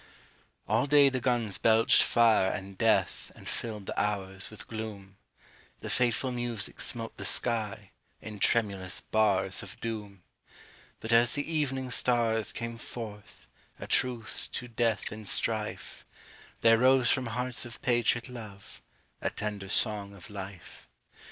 ALL day the guns belched fire and death And filled the hours with gloom; The fateful music smote the sky In tremulous bars of doom ; But as the evening stars came forth A truce to death and strife, There rose from hearts of patriot love A tender song of life.